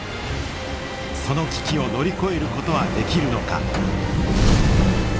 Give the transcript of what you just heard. その危機を乗り越える事はできるのか。